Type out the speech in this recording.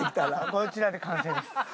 こちらで完成です。